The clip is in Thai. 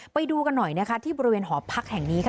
ไปดูกันหน่อยนะคะที่บริเวณหอพักแห่งนี้ค่ะ